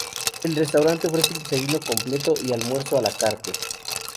El restaurante ofrece un desayuno completo y almuerzo A la Carte.